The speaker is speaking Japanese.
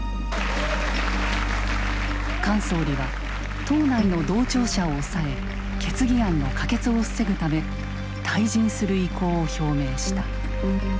菅総理は党内の同調者を抑え決議案の可決を防ぐため退陣する意向を表明した。